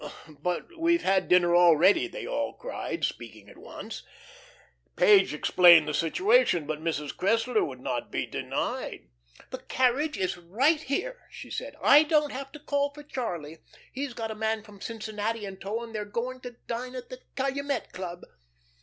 "But we've had dinner already," they all cried, speaking at once. Page explained the situation, but Mrs. Cressler would not be denied. "The carriage is right here," she said. "I don't have to call for Charlie. He's got a man from Cincinnati in tow, and they are going to dine at the Calumet Club."